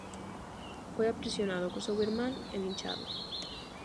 Foi aprisionado, co seu irmán, e linchado.